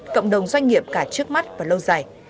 cộng đồng doanh nghiệp cả trước mắt và lâu dài